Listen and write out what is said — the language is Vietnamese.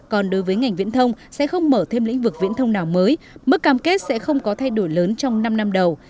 còn đối với ngành viễn thông sẽ không mở thêm lĩnh vực viễn thông nào mới mức cam kết sẽ không có thay đổi lớn trong năm năm đầu